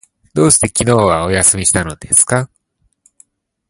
どうして昨日はお休みしたのですか？